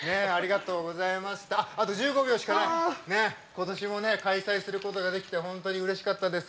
今年もね開催することができて本当にうれしかったです。